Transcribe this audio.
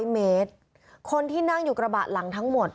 ๐เมตรคนที่นั่งอยู่กระบะหลังทั้งหมด